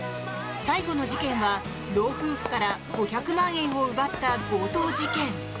最後の事件は、老夫婦から５００万円を奪った強盗事件。